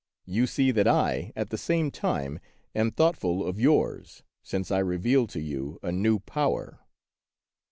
You see that I at the same time am thoughtful of yours, since I reveal to you a new power.